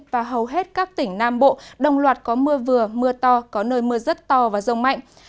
và hầu hết các tỉnh nam bộ đồng loạt có mưa vừa mưa to có nơi mưa rất to và rông mạnh